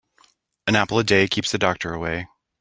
An apple a day keeps the doctor away.